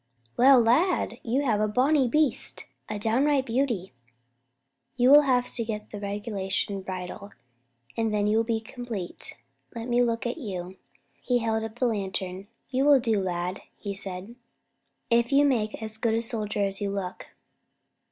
"Well, lad, you have got a bonny beast, a downright beauty. You will have to get the regulation bridle, and then you will be complete. Let me look at you." He held up the lantern. "You will do, lad," he said, "if you make as good a soldier as you look.